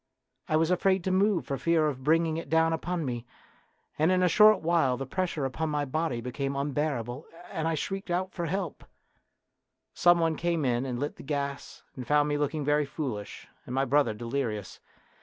I was afraid to move for fear of bringing it down upon me, and in a short while the pres sure upon my body became unbearable, and I shrieked out for help. Some one came in and lit the gas, and found me looking very foolish and my brother delirious.